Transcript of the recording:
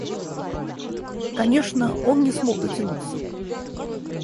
Конечно, он не смог дотянуться.